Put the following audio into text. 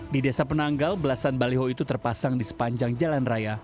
di desa penanggal belasan baliho itu terpasang di sepanjang jalan raya